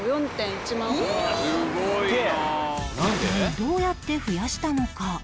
一体どうやって増やしたのか？